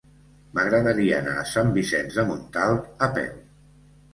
M'agradaria anar a Sant Vicenç de Montalt a peu.